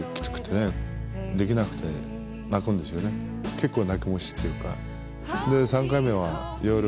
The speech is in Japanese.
結構泣き虫っていうか。